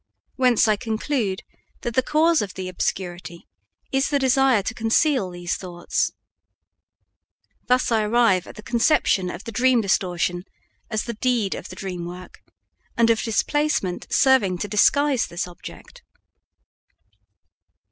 Whence I conclude that the cause of the obscurity is the desire to conceal these thoughts. Thus I arrive at the conception of the dream distortion as the deed of the dream work, and of displacement serving to disguise this object.